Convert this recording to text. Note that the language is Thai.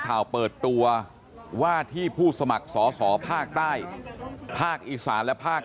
เปิดตัวว่าที่ผู้สมัครสอสอภาคใต้ภาคอีสานและภาค